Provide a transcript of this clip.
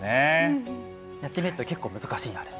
やってみると結構難しいのあれ。